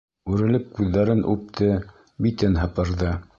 Үрелеп күҙҙәрен үпте, битен һыпырҙы.